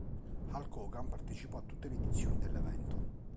Hulk Hogan partecipò a tutte le edizioni dell'evento.